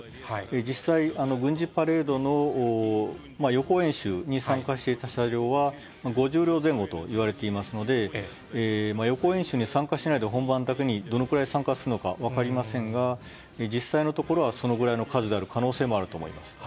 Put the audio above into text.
実際、軍事パレードの予行演習に参加していた車両は５０両前後といわれていますので、予行演習に参加しないで、本番だけにどれくらい参加するのか分かりませんが、実際のところはそのぐらいの数になる可能性があります。